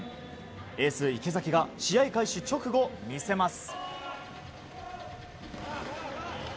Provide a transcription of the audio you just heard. エース池崎が試合開始直後、見せます。